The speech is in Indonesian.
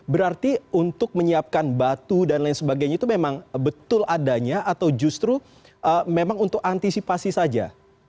berarti untuk menyiapkan batu dan lain sebagainya itu memang betul adanya atau justru memang untuk antisipasi saja